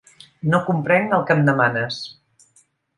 No comprenc el que em demanes.